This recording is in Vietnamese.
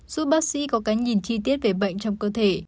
giúp bác sĩ có cái nhìn chi tiết về bệnh trong cơ thể